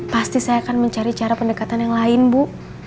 pasti saya akan mencari cara pendekatan yang lain bu